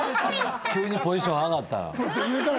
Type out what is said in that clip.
急にポジション上がったな。